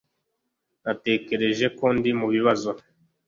Natekereje ko ndi mubibazo.